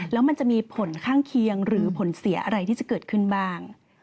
แล้วมันจะมีผลข้างเคียงหรือผลเสียอะไรที่จะเกิดขึ้นบ้าง